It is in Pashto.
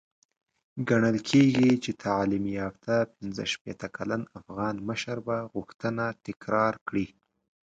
ګڼل کېږي چې تعليم يافته پنځه شپېته کلن افغان مشر به غوښتنه تکرار کړي.